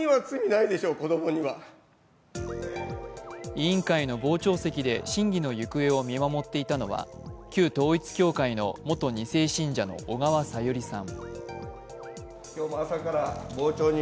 委員会の傍聴席で審議の行方を見守っていたのは、旧統一教会の元２世信者の小川さゆりさん。